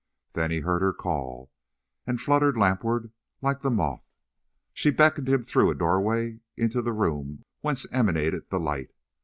Then he heard her call, and fluttered lampward, like the moth. She beckoned him through a doorway into the room whence emanated the light.